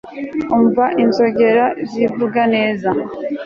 umva inzogera zivuga neza